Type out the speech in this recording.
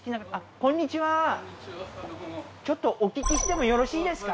こんにちはどうもちょっとお聞きしてもよろしいですか？